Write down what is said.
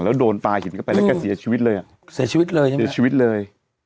แล้วโดนปลาหินเข้าไปแล้วก็เสียชีวิตเลยอ่ะเสียชีวิตเลยใช่ไหมเสียชีวิตเลย